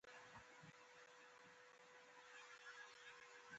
د ژبې پرمختګ د نړۍ فتح کولو کې مهم و.